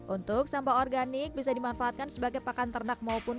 untuk sampah organik bisa dimanfaatkan sebagai pakan ternak maupun